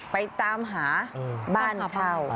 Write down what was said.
ไปตามหาบ้านเช่า